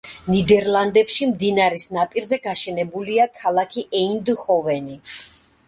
ნიდერლანდებში მდინარის ნაპირზე გაშენებულია ქალაქი ეინდჰოვენი.